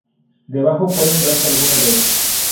Debajo pueden verse algunos de ellos.